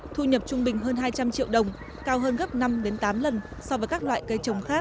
thu nhập trung bình hơn hai trăm linh triệu đồng cao hơn gấp năm tám lần so với các loại cây trồng khác